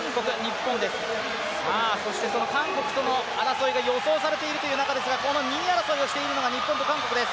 そしてその韓国との争いが予想されている中ですがこの２位争いをしているのが日本と韓国です。